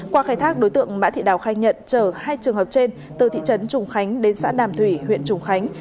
qua khai thác đối tượng mã thị đào khai nhận chở hai trường hợp trên từ thị trấn trùng khánh đến xã đàm thủy huyện trùng khánh